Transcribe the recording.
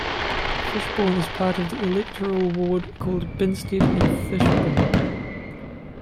Fishbourne is part of the electoral ward called Binstead and Fishbourne.